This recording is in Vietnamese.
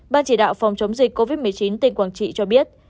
ban chỉ đạo phòng chống dịch covid một mươi chín tỉnh quảng trị cho biết